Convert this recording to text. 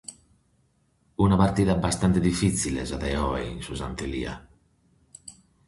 Una partida bastante difìtzile sa de oe in su Santu Elia.